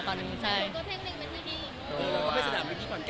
ห้องโตไหมคะห้องโตไหมคะ